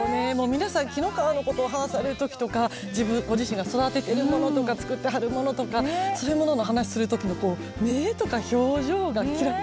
皆さん紀の川のことを話される時とかご自身が育てているものとか作ったはるものとかそういうものの話する時の目とか表情がキラッキラでしたもんね。